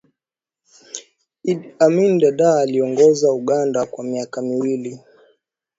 iddi amini aliongoza uganda kwa miaka miwili